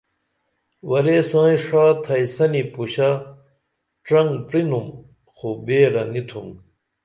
ورے سائیں ݜا تھئیسنی پُشہ ڇنگ پرینُم خو بیرہ نی تُھم